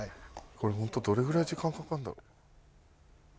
これ本当どれぐらい時間かかるんだろう？